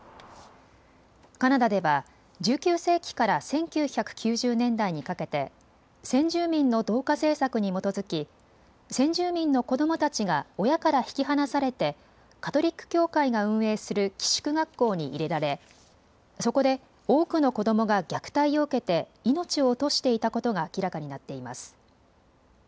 カナダでは、１９世紀から１９９０年代にかけて先住民の同化政策に基づき先住民の子どもたちが親から引き離されてカトリック教会が運営する寄宿学校に入れられそこで多くの子どもが虐待を受けて命を落としていたことが明らかになっています。